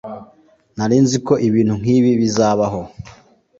nari nzi ko ibintu nkibi bizabaho